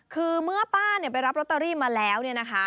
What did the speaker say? คือเมื่อป้าไปรับลอตเตอรี่มาแล้ว